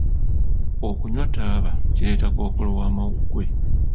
Okunywa taaba kireeta Kkookolo w'amawuggwe.